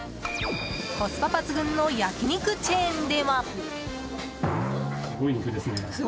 コスパ抜群の焼き肉チェーンでは。